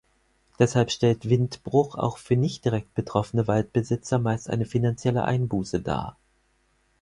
Deshalb stellt Windbruch auch für nicht direkt betroffene Waldbesitzer meist eine finanzielle Einbuße dar.